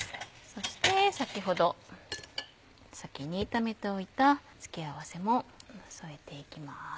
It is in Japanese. そして先ほど先に炒めておいた付け合わせも添えていきます。